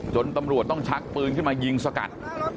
ตำรวจต้องชักปืนขึ้นมายิงสกัด